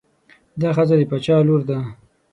دا ښځه د باچا لور ده.